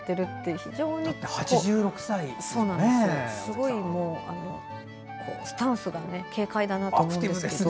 非常に、すごいスタンスが軽快だなと思うんですけど。